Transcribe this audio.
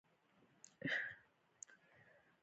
د تور بازار Underground Economy شتمنۍ ورڅخه پاتې کیږي.